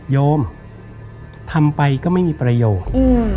โยมทำไปก็ไม่มีประโยชน์